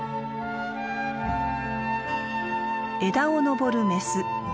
枝をのぼるメス。